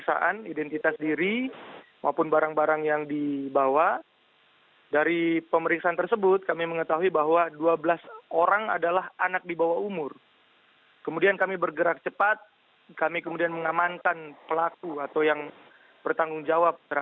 bagaimana sebenarnya kronologi penyelamatan belasan anak yang diduga menjadi korban eksploitasi anak ini